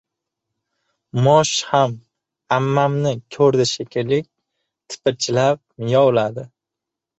Mosh ham ammamni ko‘rdi shekilli, tipirchilab miyovladi.